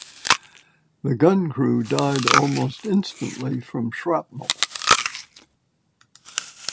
The gun crew died almost instantly from shrapnel.